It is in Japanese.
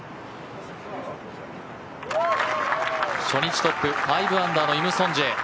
初日トップ５アンダーのイム・ソンジェ。